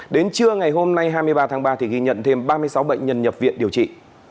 đến trưa ngày hôm nay hai mươi ba tháng ba thì ghi nhận thêm ba mươi sáu bệnh nhân nhập viện điều trị